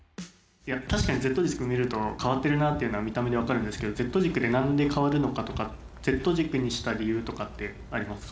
確かにＺ軸見ると変わってるなっていうのは見た目で分かるんですけどＺ軸で何で変わるのかとかＺ軸にした理由とかってありますか？